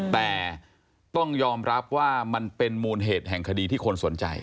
แต่ต้องยอมรับว่ามันเป็นมูลเหตุแห่งคดีที่คนสนใจ